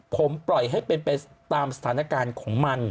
ผมปล่อยให้เป็นไปตามสถานการณ์ของมัน